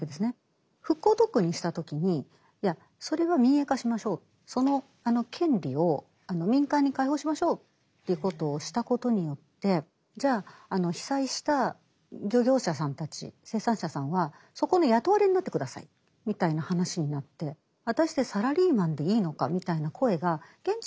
復興特区にした時にいやそれは民営化しましょうその権利を民間に開放しましょうということをしたことによってじゃあ被災した漁業者さんたち生産者さんはそこの雇われになって下さいみたいな話になって果たしてサラリーマンでいいのかみたいな声が現地では結構出たんですね。